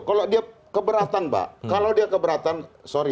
kalau dia keberatan mbak kalau dia keberatan sorry